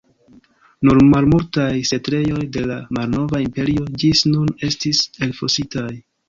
Nur malmultaj setlejoj de la Malnova Imperio ĝis nun estis elfositaj.